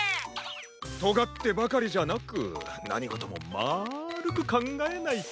とがってばかりじゃなくなにごともまるくかんがえないと。